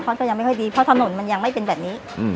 เขาก็ยังไม่ค่อยดีเพราะถนนมันยังไม่เป็นแบบนี้